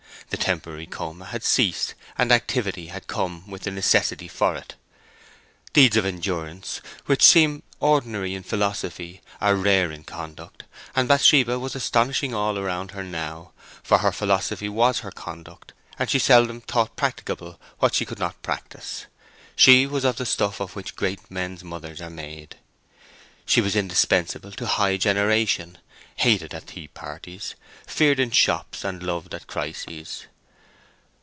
The temporary coma had ceased, and activity had come with the necessity for it. Deeds of endurance, which seem ordinary in philosophy, are rare in conduct, and Bathsheba was astonishing all around her now, for her philosophy was her conduct, and she seldom thought practicable what she did not practise. She was of the stuff of which great men's mothers are made. She was indispensable to high generation, hated at tea parties, feared in shops, and loved at crises.